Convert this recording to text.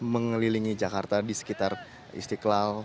mengelilingi jakarta di sekitar istiqlal